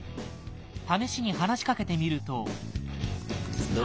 試しに話しかけてみると。